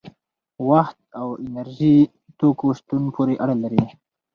وخت او د انرژي توکو شتون پورې اړه لري.